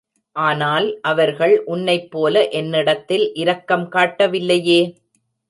ஆனால், அவர்கள் உன்னைப் போல என்னிடத்தில் இரக்கம் காட்டவில்லையே!